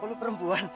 oh lo perempuan